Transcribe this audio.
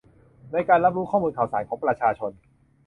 ในการรับรู้ข้อมูลข่าวสารของประชาชน